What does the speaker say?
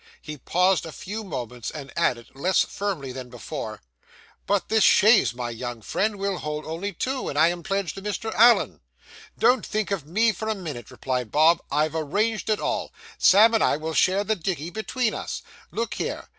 He paused a few moments, and added, less firmly than before 'But this chaise, my young friend, will only hold two; and I am pledged to Mr. Allen.' 'Don't think of me for a minute,' replied Bob. 'I've arranged it all; Sam and I will share the dickey between us. Look here.